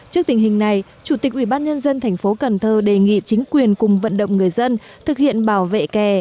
trước tình hình này chủ tịch ubnd tp cần thơ đề nghị chính quyền cùng vận động người dân thực hiện bảo vệ kè